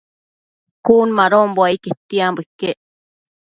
Cun madonbo ai quetianbo iquec